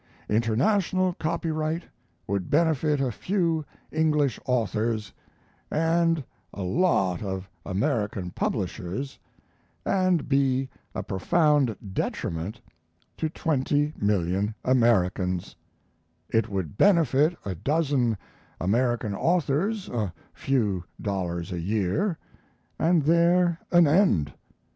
International copyright would benefit a few English authors and a lot of American publishers, and be a profound detriment to twenty million Americans; it would benefit a dozen American authors a few dollars a year, and there an end.